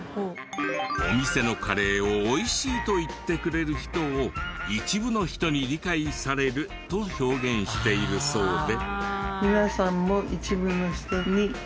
お店のカレーを美味しいと言ってくれる人を「一部の人に理解される」と表現しているそうで。